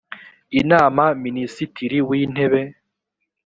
inama minisitiri w’intebe